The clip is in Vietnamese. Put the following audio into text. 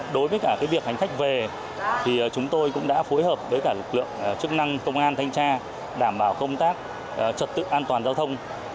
đối với cả việc hành khách về thì chúng tôi cũng đã phối hợp với cả lực lượng chức năng công an thanh tra đảm bảo công tác trật tự an toàn giao thông